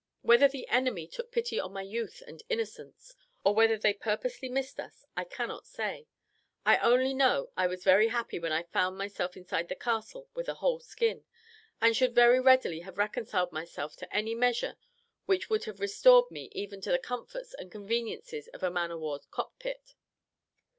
Whether the enemy took pity on my youth and innocence, or whether they purposely missed us, I cannot say: I only know I was very happy when I found myself inside the castle with a whole skin, and should very readily have reconciled myself to any measure which would have restored me even to the comforts and conveniences of a man of war's cockpit.